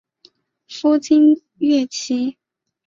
夫金乐琦。